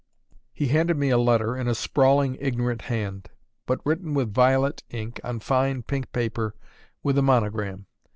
He handed me a letter in a sprawling, ignorant hand, but written with violet ink on fine, pink paper with a monogram.